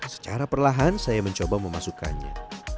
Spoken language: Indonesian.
secara perlahan saya mencoba memasukkannya